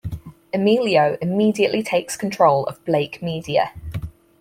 Emilio immediately takes control of Blake Media.